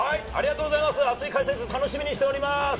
熱い解説、楽しみにしています。